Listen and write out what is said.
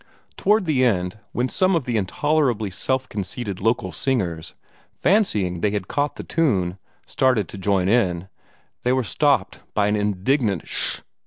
Toward the end, when some of the intolerably self conceited local singers, fancying they had caught the tune, started to join in, they were stopped by an indignant "sh h!"